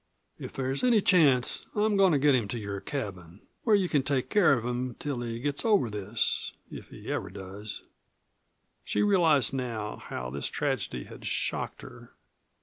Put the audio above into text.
If there's any chance I'm goin' to get him to your cabin where you can take care of him till he gets over this if he ever does." She realized now how this tragedy had shocked her.